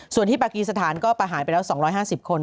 ส่วนที่ปากีสถานก็ประหารไปแล้ว๒๕๐คน